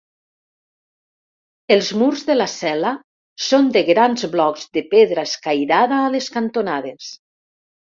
Els murs de la cel·la són de grans blocs de pedra escairada a les cantonades.